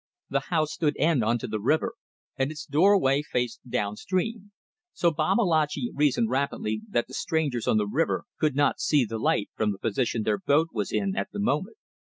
The house stood end on to the river, and its doorway faced down stream, so Babalatchi reasoned rapidly that the strangers on the river could not see the light from the position their boat was in at the moment.